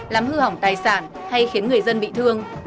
làm hư hỏng tài sản hay khiến người dân bị thương